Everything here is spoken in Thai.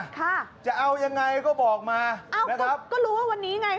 ค่ะจะเอายังไงก็บอกมาเอ้านะครับก็รู้ว่าวันนี้ไง